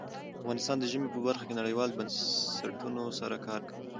افغانستان د ژمی په برخه کې نړیوالو بنسټونو سره کار کوي.